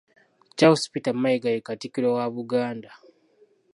Charles Peter Mayiga ye Katikkiro wa Buganda.